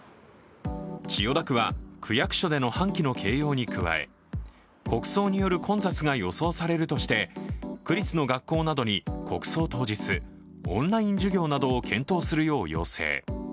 千代田区は区役所での半旗の掲揚に加え、国葬による混雑が予想されるとして区立の学校などに国葬当日、オンライン授業などを検討するよう要請。